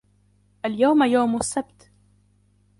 اليوم يوم السبت.